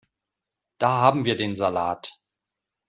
Da haben wir den Salat.